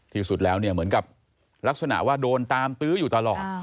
ที่สุดแล้วเนี่ยเหมือนกับลักษณะว่าโดนตามตื้ออยู่ตลอด